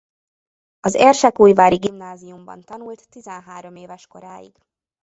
Az érsekújvári gimnáziumban tanult tizenhárom éves koráig.